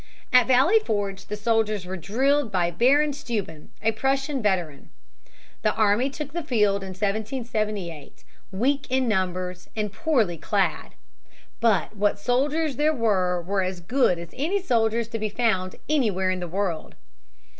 At Valley Forge the soldiers were drilled by Baron Steuben, a Prussian veteran. The army took the field in 1778, weak in numbers and poorly clad. But what soldiers there were were as good as any soldiers to be found anywhere in the world.